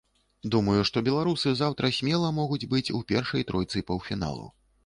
Думаю, што беларусы заўтра смела могуць быць у першай тройцы паўфіналу.